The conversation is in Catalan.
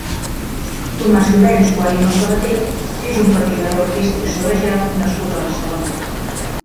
Tomàs Llorenç Guarino Sabaté és un patinador artístic sobre gel nascut a Barcelona.